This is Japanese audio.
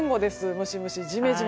ムシムシジメジメ。